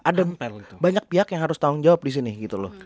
ada banyak pihak yang harus tanggung jawab di sini gitu loh